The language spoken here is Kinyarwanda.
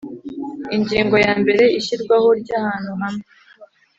Ingingo yambere Ishyirwaho ry ahantu hamwe